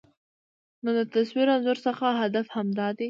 نو د تصوير انځور څخه هدف همدا دى